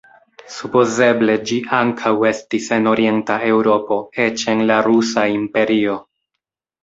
Supozeble ĝi ankaŭ estis en orienta Eŭropo, eĉ en la Rusa Imperio.